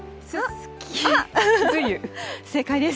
正解です。